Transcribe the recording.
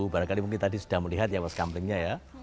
barangkali mungkin tadi sudah melihat ya pos kamplengnya ya